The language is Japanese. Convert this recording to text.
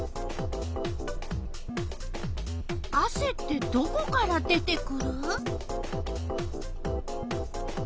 あせってどこから出てくる？